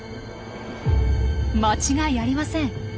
間違いありません！